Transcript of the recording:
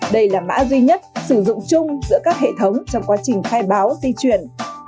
đây là mã duy nhất sử dụng chung giữa các hệ thống trong quá trình khai báo di chuyển